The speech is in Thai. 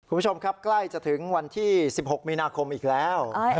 คุณผู้ชมครับใกล้จะถึงวันที่๑๖มีนาคมอีกแล้ว